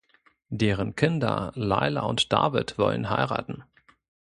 Deren Kinder Laila und David wollen heiraten.